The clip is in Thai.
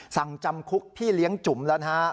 สั่งจำคุกพี่เลี้ยงจุ๋มแล้วนะฮะ